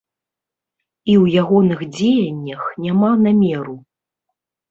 І ў ягоных дзеяннях няма намеру.